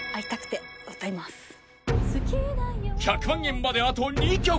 ［１００万円まであと２曲］